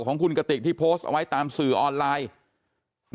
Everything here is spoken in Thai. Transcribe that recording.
ของคุณกติกที่โพสต์เอาไว้ตามสื่อออนไลน์